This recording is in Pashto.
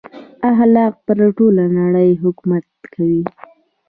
اخلاق پر ټوله نړۍ حکومت کوي.